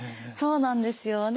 そうなんですよ。